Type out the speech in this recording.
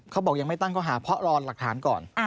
เขาบอกยังไม่ตั้งข้อหาเพราะรอหลักฐานก่อน